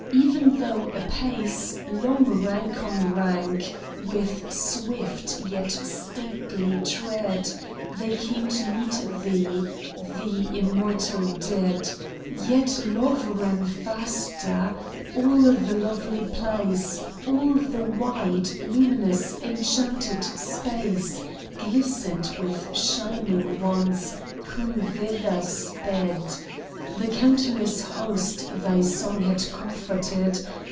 Even though apace, Long rank on rank, with swift yet stately tread They came to meet thee — the immortal dead — Yet Love ran faster ! All the lofty place, All the wide, luminous, enchanted space Glistened with Shining Ones who thither sped — The countless host thy song had comforted